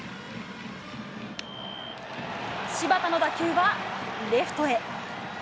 柴田の打球はレフトへ。